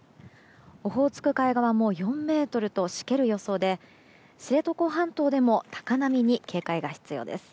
オホーツク海側も４ｍとしける予想で、知床半島でも高波に警戒が必要です。